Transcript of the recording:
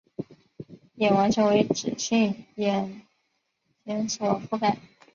眼完全为脂性眼睑所覆盖。